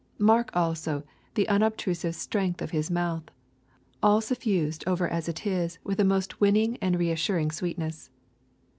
Mark also the unobtrusive strength of his mouth, all suffused over as it is with a most winning and reassuring sweetness.